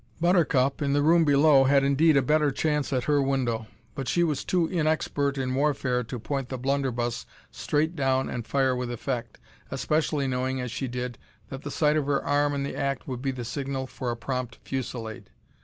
Buttercup, in the room below, had indeed a better chance at her window, but she was too inexpert in warfare to point the blunderbuss straight down and fire with effect, especially knowing, as she did, that the sight of her arm in the act would be the signal for a prompt fusillade.